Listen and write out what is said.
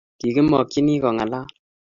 kikimakchini kong'alal